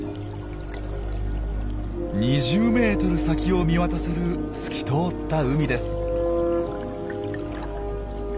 ２０ｍ先を見渡せる透き通った海です。